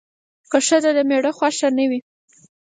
که ښځه د میړه خوښه نه وي